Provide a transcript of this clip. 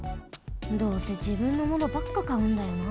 どうせじぶんのものばっかかうんだよな。